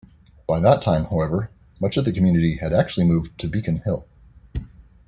By that time, however, much of the community had actually moved to Beacon Hill.